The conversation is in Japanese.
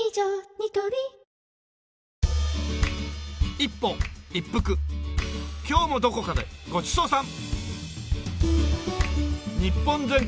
一歩いっぷく今日もどこかでごちそうさん！